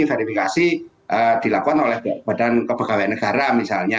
verifikasi dilakukan oleh badan kepegawaian negara misalnya